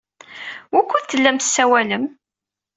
Wukud tellam tessawalem?